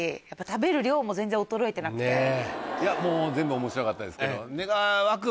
もう全部面白かったですけど。